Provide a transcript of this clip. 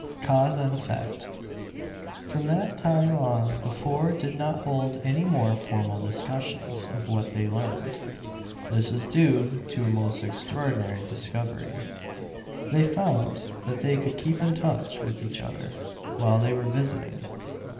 XII CAUSE AND EFFECT From that time on the four did not hold any more formal discussions of what they learned. This was due to a most extraordinary discovery. They found that they could keep in touch with each other while they were "visiting"!